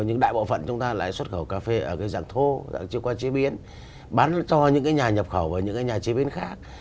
những đại bộ phận chúng ta lại xuất khẩu cà phê ở cái dạng thô chưa qua chế biến bán cho những cái nhà nhập khẩu và những cái nhà chế biến khác